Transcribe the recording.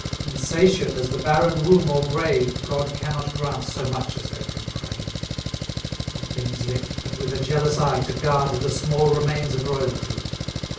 Insatiate as the barren womb or grave, God cannot grant so much as they can crave. What then is left, but with a jealous eye To guard the small remains of royalty?